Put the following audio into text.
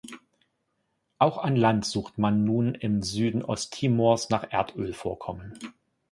Auch an Land sucht man nun im Süden Osttimors nach Erdölvorkommen.